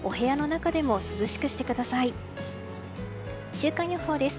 週間予報です。